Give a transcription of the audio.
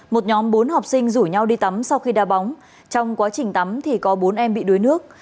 một nhóm bốn học sinh rủ nhau đi tắm sau khi đa bóng trong quá trình tắm thì có bốn em bị đuối nước